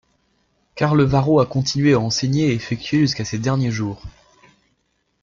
Carlevaro a continué à enseigner et effectuer jusqu'à ses derniers jours.